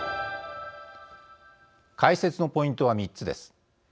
解説のポイントは３つです。